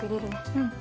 うん。